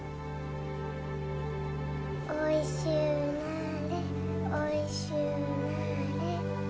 おいしゅうなれおいしゅうなれ。